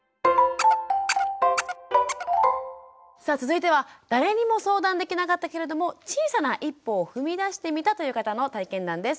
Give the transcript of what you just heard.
さあ続いては誰にも相談できなかったけれども小さな一歩を踏み出してみたという方の体験談です。